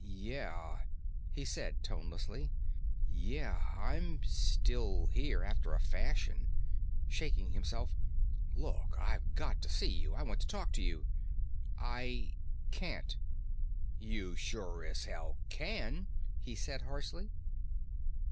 "Yeah," he said tonelessly. "Yeah, I'm still here, after a fashion." Shaking himself: "Look, I've got to see you. I want to talk to you." "I can't." "You sure as hell can," he said harshly.